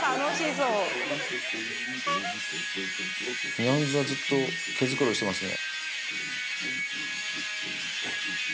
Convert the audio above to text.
ニャンズはずっと毛繕いしてますね。